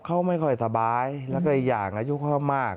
เขาไม่ค่อยสบายแล้วก็อีกอย่างอายุเขามาก